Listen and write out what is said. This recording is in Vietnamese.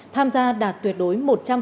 tham gia đạt tuyệt đối một trăm linh